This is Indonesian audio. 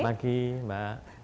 selamat pagi mbak